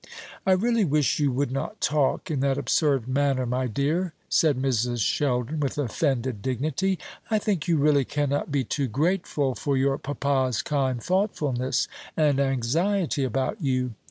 "I really wish you would not talk in that absurd manner, my dear," said Mrs. Sheldon with offended dignity. "I think you really cannot be too grateful for your papa's kind thoughtfulness and anxiety about you.